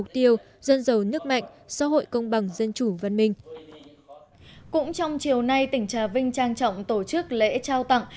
cũng trong chiều nay tỉnh trà vinh trang trọng tổ chức lễ trao tặng